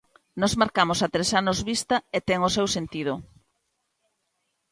Nós marcamos a tres anos vista, e ten o seu sentido.